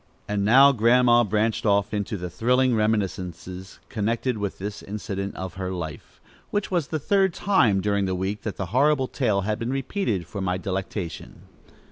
And now, Grandma branched off into the thrilling reminiscences connected with this incident of her life, which was the third time during the week that the horrible tale had been repeated for my delectation.